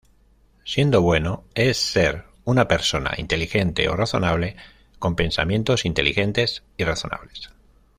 Siendo bueno, es ser una persona inteligente o razonable con pensamientos inteligentes y razonables.